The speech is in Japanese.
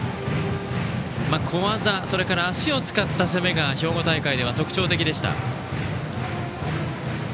小技、足を使った攻めが兵庫大会では特徴的でした。